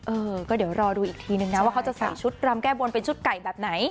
เออก็เดี๋ยวรอดูอีกทีนึงนะว่าเขาจะใส่ชุดรำแก้บนเป็นชุดไก่แบบไหน